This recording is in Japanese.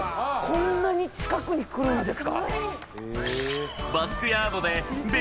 こんなに近くに来るんですか？